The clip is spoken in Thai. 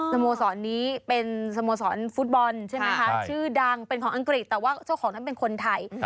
สโมสรนี้เป็นสโมสรฟุตบอลใช่ไหมคะชื่อดังเป็นของอังกฤษแต่ว่าเจ้าของนั้นเป็นคนไทย